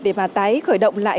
để mà tái khởi động lại